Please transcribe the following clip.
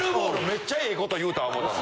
めっちゃええこと言うた思たのに。